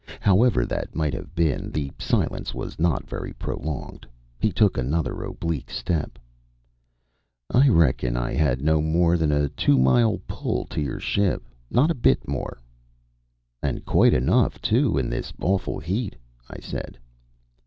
However that might have been, the silence was not very prolonged. He took another oblique step. "I reckon I had no more than a two mile pull to your ship. Not a bit more." "And quite enough, too, in this awful heat," I said.